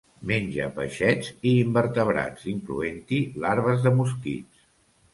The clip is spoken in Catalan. Menja peixets i invertebrats, incloent-hi larves de mosquits.